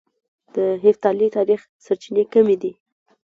د هېپتالي تاريخ سرچينې کمې دي